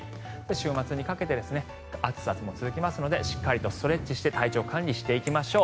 週末にかけて暑さも続きますのでしっかりストレッチして体調管理をしていきましょう。